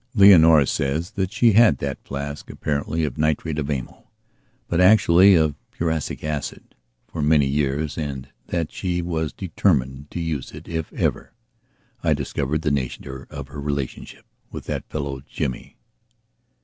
Leonora says that she had that flask, apparently of nitrate of amyl, but actually of prussic acid, for many years and that she was determined to use it if ever I discovered the nature of her relationship with that fellow Jimmy.